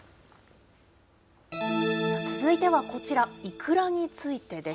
続いてはこちら、イクラについてです。